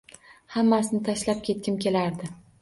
Hammasini tashlab ketgim kelardi